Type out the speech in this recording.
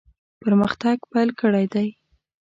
پرمختګ پیل کړی دی.